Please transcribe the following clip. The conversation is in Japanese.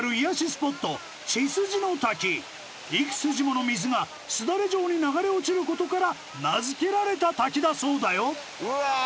スポット幾筋もの水がすだれ状に流れ落ちることから名付けられた滝だそうだようわ！